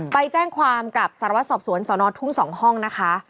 ไปแจ้งความกับสารวัตรสอบสวนสนทุ่ง๒ห้องนะคะ